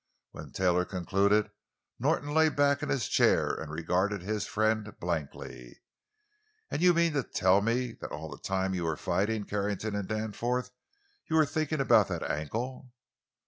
When Taylor concluded, Norton lay back in his chair and regarded his friend blankly. "And you mean to tell me that all the time you were fighting Carrington and Danforth you were thinking about that ankle?"